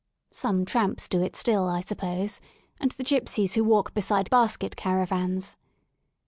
Some tramps do it still, I suppose, and the gipsies who walk beside basket caravans.